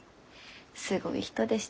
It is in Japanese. すごい人でした。